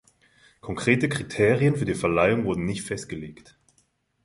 Konkrete Kriterien für die Verleihung wurden nicht festgelegt.